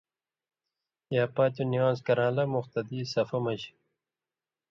پاتیوں نِوان٘ز کران٘لہ (مُقتدی) صفہ من٘ژ